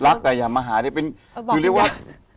รักแต่อย่ามาหาได้คือเรียกว่า